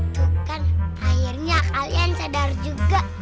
tuh kan akhirnya kalian sadar juga